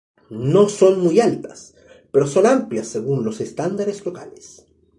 No son muy altas, pero son amplias según los estándares locales.